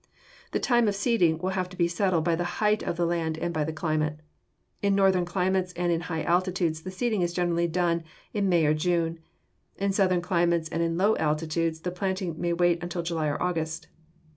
The time of seeding will have to be settled by the height of the land and by the climate. In northern climates and in high altitudes the seeding is generally done in May or June. In southern climates and in low altitudes the planting may wait until July or August.